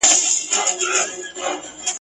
هره ورځ به یې تازه وه مجلسونه ..